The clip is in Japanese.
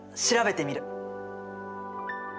調べてみる。